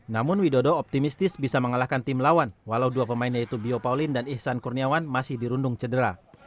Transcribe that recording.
namun widodo optimistis bisa mengalahkan tim lawan walau dua pemain yaitu biopauline dan ihsan kurniawan masih dirundung cedera